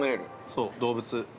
◆そう、動物。